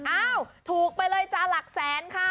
อ้าวถูกไปเลยจ้าหลักแสนค่ะ